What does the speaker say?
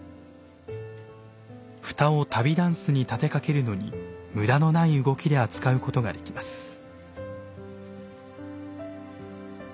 蓋を旅箪笥に立てかけるのに無駄のない動きで扱うことができます。